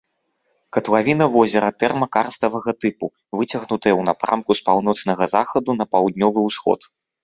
Катлавіна возера тэрмакарставага тыпу, выцягнутая ў напрамку з паўночнага захаду на паўднёвы ўсход.